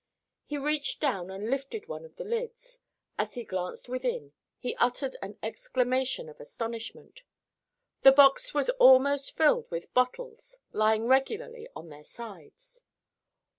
He reached down and lifted one of the lids. As he glanced within he uttered an exclamation of astonishment. The box was almost filled with bottles, lying regularly on their sides.